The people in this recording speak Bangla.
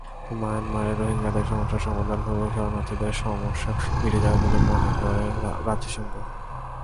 মিয়ানমারে রোহিঙ্গাদের সমস্যা বন্ধ হলেই শরণার্থীদের সমস্যা মিটে যাবে বলে মনে করে জাতিসংঘ।